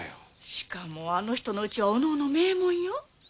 しかもあの人の家はお能の名門よ。